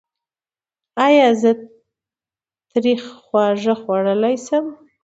ایا زه تریخ خواړه خوړلی شم؟